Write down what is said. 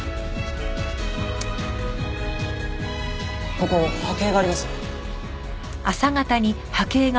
ここ波形があります。